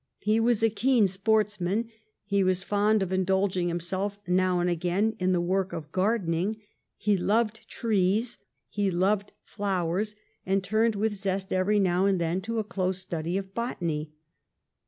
He was a keen sportsman ; he was fond of indulging himself now and again in the work of gardening ; he loved trees ; he loved flowers, and turned with zest 1712 13 A MAN OF MANY TASTES. 67 every now and then to a close study of botany.